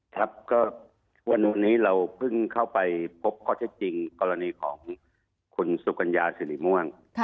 ครับก็วันนี้เราเพิ่งเข้าไปพบข้อเท็จจริงกรณีของคุณสุกัญญาสิริม่วง